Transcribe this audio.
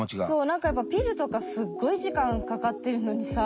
何かやっぱピルとかすっごい時間かかってるのにさ。